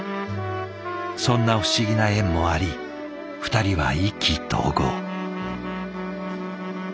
そんな不思議な縁もあり２人は意気投合。